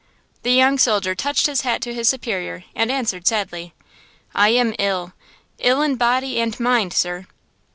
The young soldier touched his hat to his superior and answered sadly, "I am ill, ill in body and mind, sir."